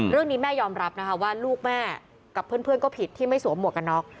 แม่ยอมรับนะคะว่าลูกแม่กับเพื่อนก็ผิดที่ไม่สวมหมวกกันน็อก